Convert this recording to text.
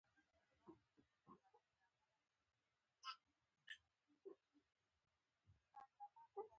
الماري له بازار نه اخیستل کېږي